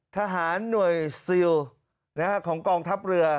ทหารหน่วยซีลนะครับของกองทัพเรือ